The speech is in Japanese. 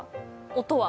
音は。